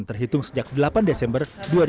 terhitung sejak delapan desember dua ribu tujuh belas